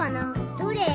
どれ？